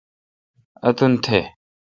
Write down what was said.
اتون تھ۔